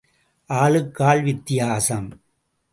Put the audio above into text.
ஆளுக்கு ஆள் வித்தியாசம்.